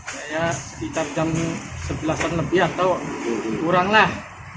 saya sekitar jam sebelas an lebih atau kuranglah